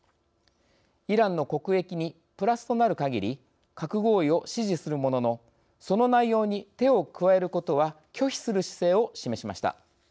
イランの国益にプラスとなる限り核合意を支持するもののその内容に手を加えることは拒否する姿勢を示しました。